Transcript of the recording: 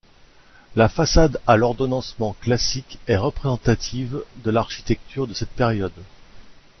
La façade à l'ordonnancement classique est représentative de l'architecture de cette période.